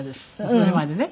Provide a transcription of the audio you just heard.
それまでね。